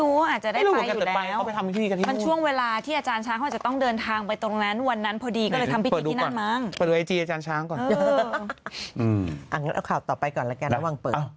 อื้ออื้ออื้ออื้ออื้อ